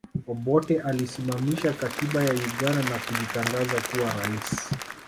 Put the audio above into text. Obote aliisimamisha katiba ya Uganda na kujitangaza kuwa rais